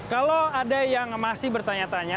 kalau ada yang masih bertanya tanya